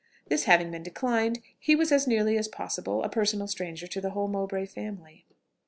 This having been declined, he was as nearly as possible a personal stranger to the whole Mowbray family.